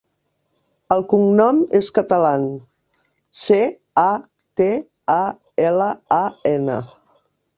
El cognom és Catalan: ce, a, te, a, ela, a, ena.